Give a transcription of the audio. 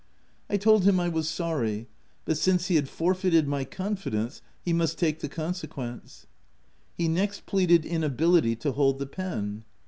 I told him I was sorry, but since he had forfeited my con fidence, he must take the consequence. He next pleaded inability to hold the pen.